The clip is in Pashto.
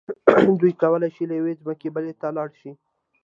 دوی کولی شول له یوې ځمکې بلې ته لاړ شي.